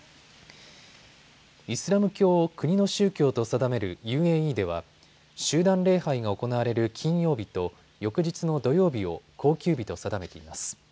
イスラム教を国の宗教と定めるＵＡＥでは集団礼拝が行われる金曜日と翌日の土曜日を公休日と定めています。